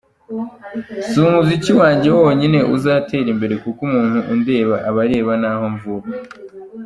Si umuziki wanjye wonyine uzatera imbere kuko umuntu undeba aba areba n’aho mvuka.